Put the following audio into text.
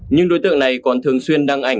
nhưng đối tượng này còn thường xuyên đăng ảnh